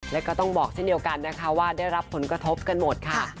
แล้วก็ต้องบอกเช่นเดียวกันนะคะว่าได้รับผลกระทบกันหมดค่ะ